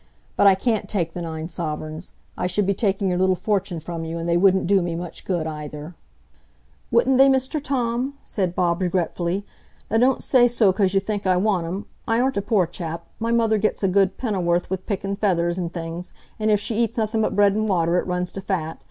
But I can't take the nine sovereigns; I should be taking your little fortune from you, and they wouldn't do me much good either." "Wouldn't they, Mr Tom?" said Bob, regretfully. "Now don't say so 'cause you think I want 'em. I aren't a poor chap. My mother gets a good penn'orth wi' picking feathers an' things; an' if she eats nothin' but bread an' water, it runs to fat.